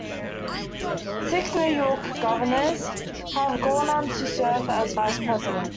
Six New York governors have gone on to serve as vice president.